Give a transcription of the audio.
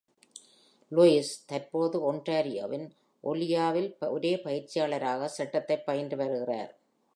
Lewis தற்போது ஒன்ராறியோவின் Orillia வில் ஒரே பயிற்சியாளராக சட்டத்தை பயின்று வருகிறார்.